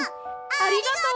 ありがとう！